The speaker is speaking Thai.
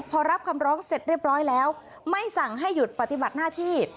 พอรับคำร้องเสร็จเรียบร้อยแล้วไม่สั่งให้หยุดปฏิบัติหน้าที่